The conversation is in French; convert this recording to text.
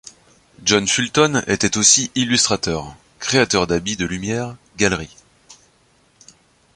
John Fulton était aussi illustrateur, créateur d'habit de lumières, galerie.